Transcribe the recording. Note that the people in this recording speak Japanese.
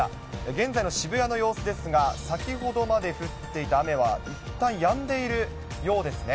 現在の渋谷の様子ですが、先ほどまで降っていた雨は、いったんやんでいるようですね。